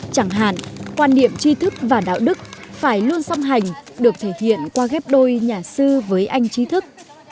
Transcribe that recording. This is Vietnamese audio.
chẳng hạn quan điểm chi thức và đạo đức phải luôn xâm hành được thể hiện qua ghép đôi nhà sư với anh chi thức